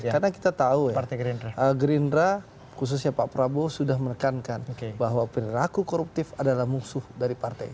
karena kita tahu ya greendraft khususnya pak prabowo sudah merekankan bahwa perilaku koruptif adalah musuh dari partai